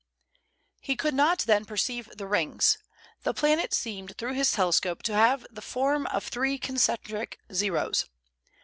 He could not then perceive the rings; the planet seemed through his telescope to have the form of three concentric O's.